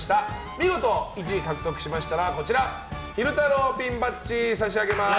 見事１位獲得しましたら昼太郎ピンバッジを差し上げます。